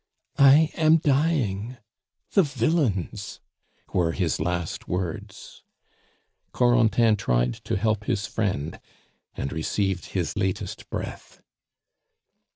"I am dying! the villains!" were his last words. Corentin tried to help his friend, and received his latest breath.